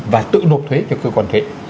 và tự nộp thuế cho cơ quan thuế